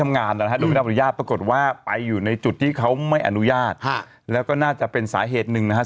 ในจุดที่เขาไม่อนุญาตแล้วก็น่าจะเป็นสาเหตุหนึ่งนะครับ